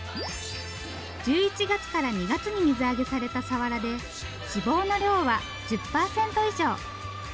１１月から２月に水揚げされたサワラで脂肪の量は１０％以上。